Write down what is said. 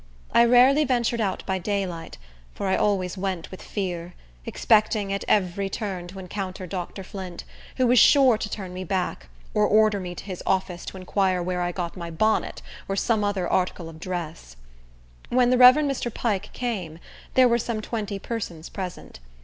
I rarely ventured out by daylight, for I always went with fear, expecting at every turn to encounter Dr. Flint, who was sure to turn me back, or order me to his office to inquire where I got my bonnet, or some other article of dress. When the Rev. Mr. Pike came, there were some twenty persons present.